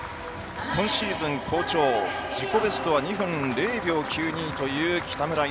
今シーズン好調自己ベストは２分０秒９２という北村夢。